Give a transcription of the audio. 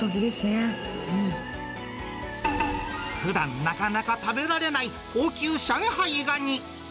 ふだん、なかなか食べられない高級上海ガニ。